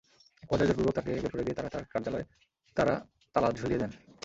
একপর্যায়ে জোরপূর্বক তাঁকে বের করে দিয়ে তাঁর কার্যালয়ে তাঁরা তালা ঝুলিয়ে দেন।